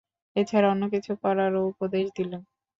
এছাড়া অন্য কিছু করারও উপদেশ দিলেন।